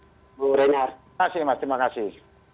terima kasih mas terima kasih